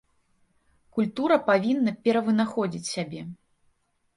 Культура павінна перавынаходзіць сябе.